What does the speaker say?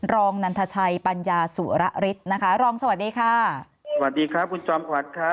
นันทชัยปัญญาสุระฤทธิ์นะคะรองสวัสดีค่ะสวัสดีครับคุณจอมขวัญครับ